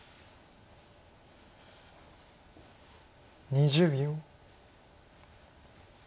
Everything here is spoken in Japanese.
２０秒。